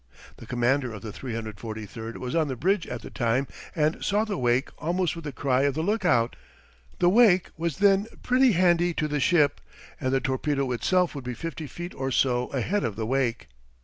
The commander of the 343 was on the bridge at the time and saw the wake almost with the cry of the lookout. The wake was then pretty handy to the ship, and the torpedo itself would be fifty feet or so ahead of the wake.